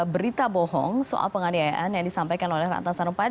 berita bohong soal penganiayaan yang disampaikan oleh ratna sarumpait